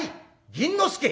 銀之助！